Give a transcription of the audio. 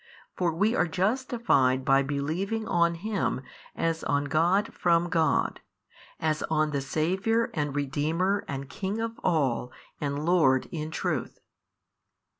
For we are justified by believing on Him as on God from God, as on the Saviour and Redeemer and King of all and Lord in truth.